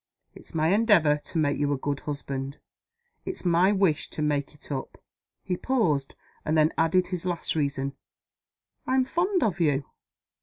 It's my endeavor to make you a good husband. It's my wish to make it up." He paused, and then added his last reason: "I'm fond of you."